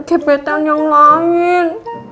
kebetan yang lain